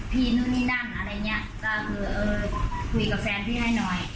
นู่นนี่นั่นอะไรอย่างเงี้ยก็คือเออคุยกับแฟนพี่ให้หน่อย